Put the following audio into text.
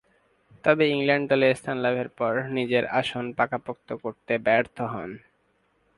তবে, ইংল্যান্ড দলে স্থান লাভের পর নিজের আসন পাকাপোক্ত করতে ব্যর্থ হন।